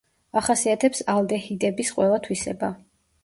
ახასიათებს ალდეჰიდების ყველა თვისება.